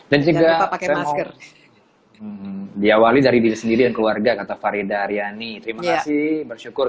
dan juga saya mau diawali dari diri sendiri dan keluarga kata farida aryani terima kasih bersyukur